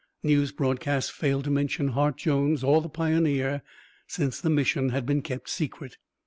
News broadcasts failed to mention Hart Jones or the Pioneer, since the mission had been kept secret.